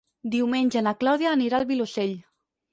Diumenge na Clàudia anirà al Vilosell.